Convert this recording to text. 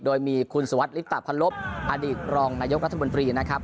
โดยมีคุณสวัสดิตะพันลบอดีตรองนายกรัฐมนตรีนะครับ